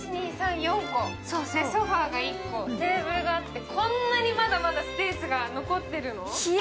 ソファが１個、テーブルもあって、こんなにまだまだスペースが残ってるの？